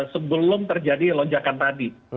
sebelum terjadi lonjakan tadi